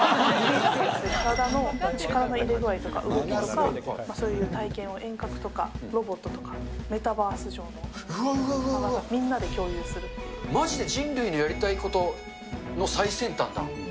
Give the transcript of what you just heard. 体の力の入れ具合とか、動きとか、そういう体験を遠隔とかロボットとか、メタバース上のアバター、まじで人類のやりたいことの最先端だ。